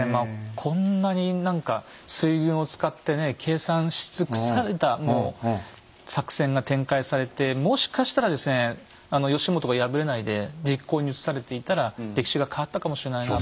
こんなに何か水軍を使ってね計算し尽くされたもう作戦が展開されてもしかしたらですね義元が敗れないで実行に移されていたら歴史が変わったかもしれないなあと。